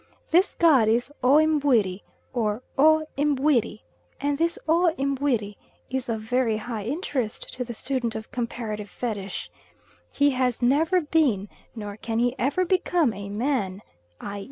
This god is O Mbuiri or O Mbwiri, and this O Mbwiri is of very high interest to the student of comparative fetish. He has never been, nor can he ever become, a man, i.